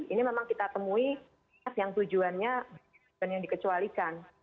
ini memang kita temui yang tujuannya bukan yang dikecualikan